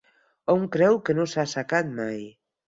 Hom creu que no s'ha assecat mai.